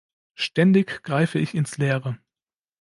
Ständig greife ich ins Leere.